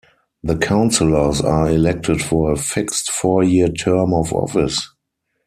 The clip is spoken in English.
The Councillors are elected for a fixed four-year term of office.